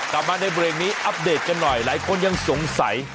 กลับมาในเบรกนี้อัปเดตกันหน่อยหลายคนยังสงสัย